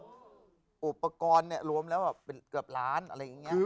อุปกรณ์รวมแล้วเป็นเกือบล้านอะไรอย่างนี้